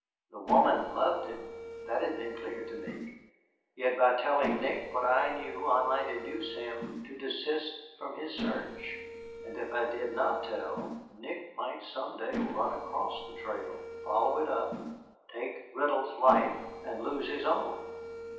The woman loved him, that had been clear to me; yet, by telling Nick what I knew I might induce him to desist from his search, and if I did not tell, Nick might some day run across the trail, follow it up, take Riddle's life, and lose his own.